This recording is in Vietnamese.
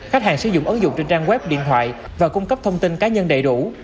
khách hàng sử dụng ứng dụng trên trang web điện thoại và cung cấp thông tin cá nhân đầy đủ